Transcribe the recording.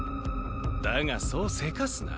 だがそう急かすな。